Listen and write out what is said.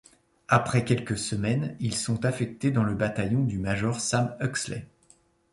Après quelques semaines, ils sont affectés dans le bataillon du Major Sam Huxley.